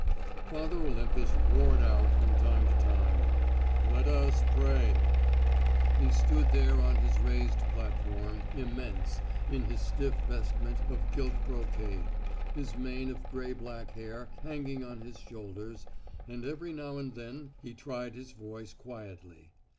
Father Olympus roared out from time to time, "Let us pray." He stood there on his raised platform, immense, in his stiff vestment of gilt brocade, his mane of grey black hair hanging on his shoulders, and every now and then he tried his voice quietly.